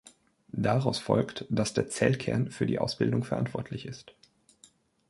Daraus folgt, dass der Zellkern für die Ausbildung verantwortlich ist.